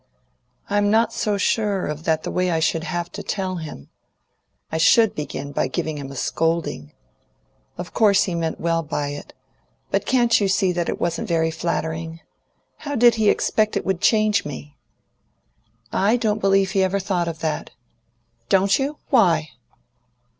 "I'm not so sure of that the way I should have to tell him. I should begin by giving him a scolding. Of course, he meant well by it, but can't you see that it wasn't very flattering! How did he expect it would change me?" "I don't believe he ever thought of that." "Don't you? Why?"